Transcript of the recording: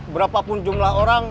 berapapun jumlah orang